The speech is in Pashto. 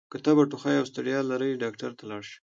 که تبه، ټوخۍ او ستړیا لرئ ډاکټر ته لاړ شئ!